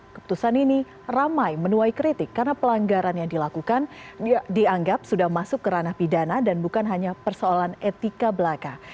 keputusan ini ramai menuai kritik karena pelanggaran yang dilakukan dianggap sudah masuk ke ranah pidana dan bukan hanya persoalan etika belaka